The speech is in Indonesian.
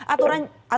aturan jam operasi